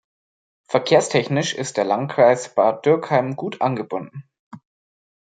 Verkehrstechnisch ist der Landkreis Bad Dürkheim gut angebunden.